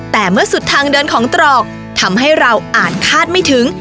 แต่เมื่อสุดทางเดินของตรอกทำให้เราอ่านคาดไม่ถึง